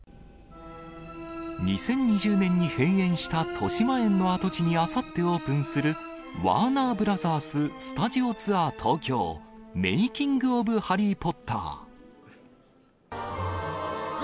２０２０年に閉園したとしまえんの跡地にあさってオープンする、ワーナーブラザース・スタジオツアー東京メイキング・オブ・ハリー・ポッター。